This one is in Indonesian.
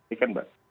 ini kan pak